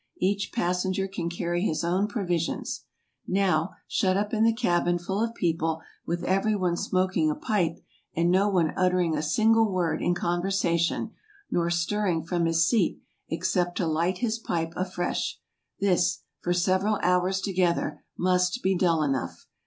Each passenger can carry his own provisions. Now, shut up in the cabin full of people, with every one smoking a pipe, and no one uttering a single word in conversation, nor stirring from his seat, except to light his pipe afresh—this, for several hours together, must be dull enough.